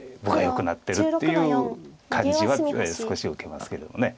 分がよくなってるっていう感じは少し受けますけども。